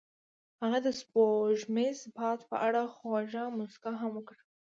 هغې د سپوږمیز باد په اړه خوږه موسکا هم وکړه.